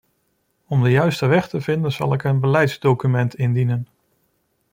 Om de juiste weg te vinden zal ik een beleidsdocument indienen.